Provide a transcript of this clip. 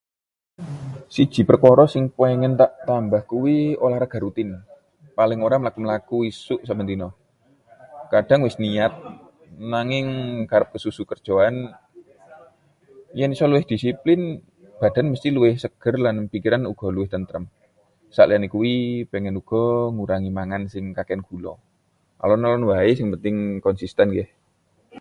Siji perkara sing pengin tak tambah kuwi olahraga rutin, paling ora mlaku-mlaku esuk saben dina. Kadhang wis niat, nanging kerep kesusu kerjaan. Yen iso luwih disiplin, badan mesthi luwih seger lan pikiran uga luwih tentrem. Saliyane kuwi, pengin uga ngurangi mangan sing kakehan gula. Alon-alon wae sing penting konsisten, nggih.